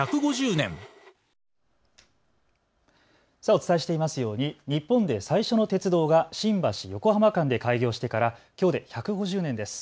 お伝えしていますように日本で最初の鉄道が新橋・横浜間で開業してからきょうで１５０年です。